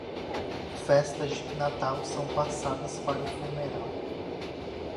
Festas de Natal são passadas para o fumeral.